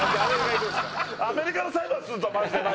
アメリカで裁判するぞマジで。